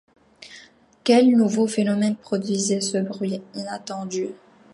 Quel nouveau phénomène produisait ce bruit inattendu?